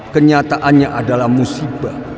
kenyataannya adalah musibah